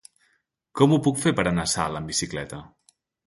Com ho puc fer per anar a Salt amb bicicleta?